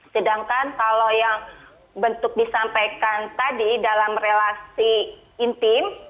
sedangkan kalau yang bentuk disampaikan tadi dalam relasi intim